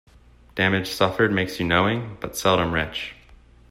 Damage suffered makes you knowing, but seldom rich.